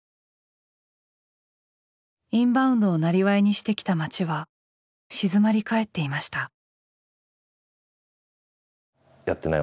インバウンドをなりわいにしてきた街は静まり返っていました。